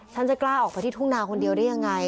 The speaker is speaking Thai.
ฉันจะกล้าออกไปที่ทุ่งนาคนเดียวได้ยังไง